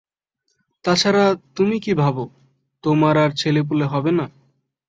তা ছাড়া তূমি কি ভাব, তোমার আর ছেলেপুলে হবে না ।